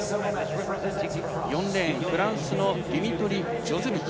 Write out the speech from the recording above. ４レーン、フランスのディミトリ・ジョズビキ。